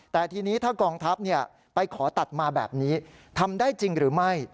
แต่ทีนี้ถ้ากองทัพไปขอตัดมาแบบนี้ทำได้จริงหรือไม่